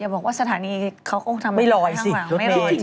อย่าบอกว่าสถานีเขาก็ทำแบบนี้ข้างหลังไม่ลอยสิ